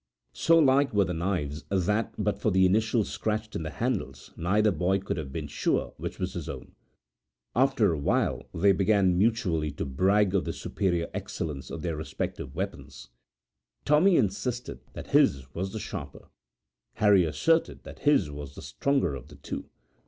So like were the knives that but for the initials scratched in the handles neither boy could have been sure which was his own. After a little while they began mutually to brag of the superior excellence of their respective weapons. Tommy insisted that his was the sharper, Harry asserted that his was the stronger of the two.